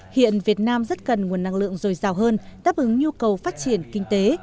hiện việt nam rất cần nguồn năng lượng dồi dào hơn đáp ứng nhu cầu phát triển kinh tế